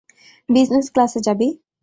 Business ক্লাসে যাবি।